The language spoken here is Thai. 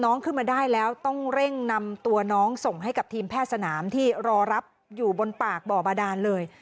ขึ้นมาได้แล้วต้องเร่งนำตัวน้องส่งให้กับทีมแพทย์สนามที่รอรับอยู่บนปากบ่อบาดานเลย